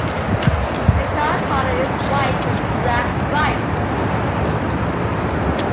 The car colour is white with black stripes.